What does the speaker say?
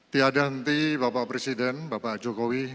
tiada henti bapak presiden bapak jokowi